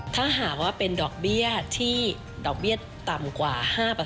ถ้าหากว่าเป็นดอกเบี้ยที่ดอกเบี้ยต่ำกว่า๕